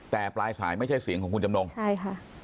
แต่ปลายสายไม่ใช่เสียงของคุณจำนงใช่ค่ะ